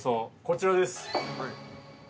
こちらです。